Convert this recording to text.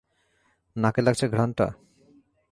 নাকে লাগছে ঘ্রাণটা?